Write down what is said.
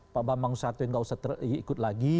pak bambang suwati gak usah ikut lagi